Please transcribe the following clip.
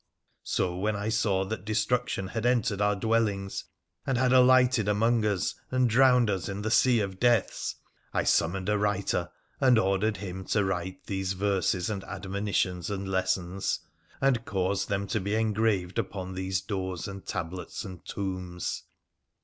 So when I saw that 342 WONDERFUL ADVENTURES OF destruction had entered our dwellings, and had alighted among us, and drowned us in the sea of deaths, I summoned a writer, and ordered him to write these verses and admonitions and lessons, and caused them to be engraved upon these doors and tablets and tombs.